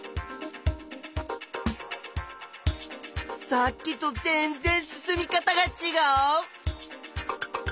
さっきと全然進み方がちがう。